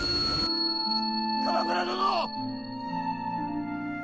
鎌倉殿！